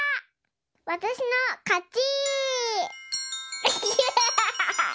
わたしのかち！